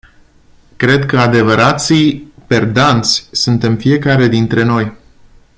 Cred că adevărații perdanți suntem fiecare dintre noi.